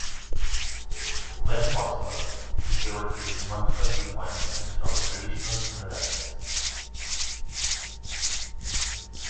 When possible, he favored creating multiple viewpoints, instead of a traditional single axis.